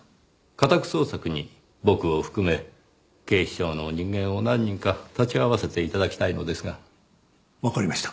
家宅捜索に僕を含め警視庁の人間を何人か立ち会わせて頂きたいのですが。わかりました。